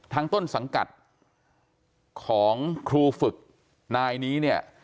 ต้นสังกัดของครูฝึกนายนี้เนี่ย